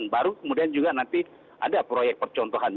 baru kemudian juga nanti ada proyek percontohan